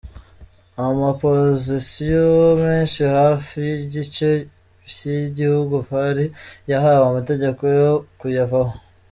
Amaposition menshi hafi yigice fy’igihugu Far yahawe amategeko yo kuyavaho.